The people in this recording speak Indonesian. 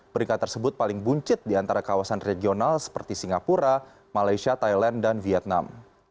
peringkat tersebut paling buncit di antara kawasan regional seperti singapura malaysia thailand dan vietnam